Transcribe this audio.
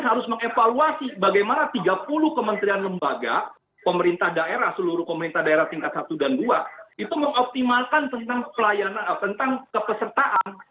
harus mengevaluasi bagaimana tiga puluh kementerian lembaga pemerintah daerah seluruh pemerintah daerah tingkat satu dan dua itu mengoptimalkan tentang pelayanan tentang kepesertaan